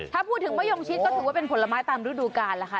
ถ้าพูดถึงมะยงชิดก็ถือว่าเป็นผลไม้ตามฤดูกาลล่ะค่ะ